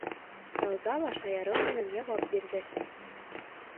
Рауза ла шаярыу менән яуап бирҙе.